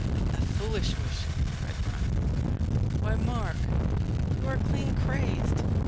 "A foolish wish," cried Bryan. "Why, Mark, you are clean crazed!"